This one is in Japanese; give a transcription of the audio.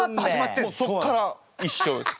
もうそっから一緒です。